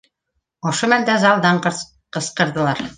Ошо мәлдә залдан ҡысҡырҙылар: